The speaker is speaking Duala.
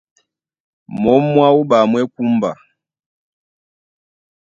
Mǒm mwá wúɓa mú e kúmba.